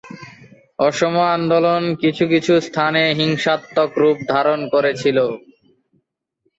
অসম আন্দোলন কিছু কিছু স্থানে হিংসাত্মক রূপ ধারণ করেছিল।